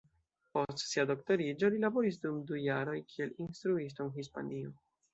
Post sia doktoriĝo li laboris dum du jaroj kiel instruisto en Hispanio.